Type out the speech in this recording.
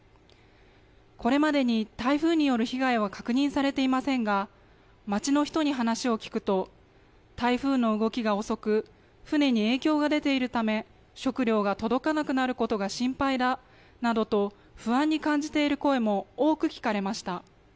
これまでに台風による被害は確認されていませんが、街の人に話を聞くと、台風の動きが遅く、船に影響が出ているため、食料が届かなくなることが心配だなどと不安に感じている声も多く聞かれました。